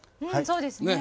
そうですね。